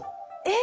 え！